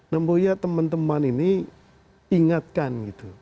nomboknya teman teman ini ingatkan